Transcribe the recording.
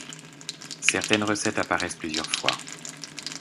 Certaines recettes apparaissent plusieurs fois.